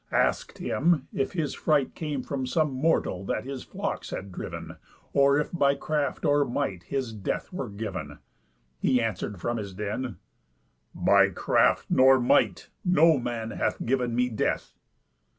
Ask'd him, if his fright Came from some mortal that his flocks had driv'n? Or if by craft, or might, his death were giv'n? He answer'd from his den: 'By craft, nor might, No Man hath giv'n me death.